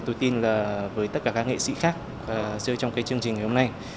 tôi tin là với tất cả các nghệ sĩ khác chơi trong cái chương trình ngày hôm nay